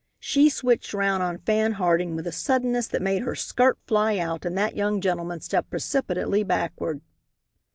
She switched round on Fan Harding with a suddenness that made her skirt fly out and that young gentleman step precipitately backward.